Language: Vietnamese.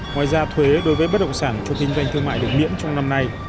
ngoài ra thuế đối với bất động sản cho kinh doanh thương mại được miễn trong năm nay